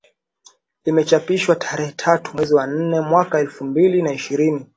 Imechapishwa tarehe tatu mwezi wa nne mwaka elfu mbili na ishirini